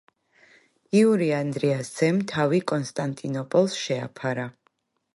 იური ანდრიას ძემ თავი კონსტანტინოპოლს შეაფარა.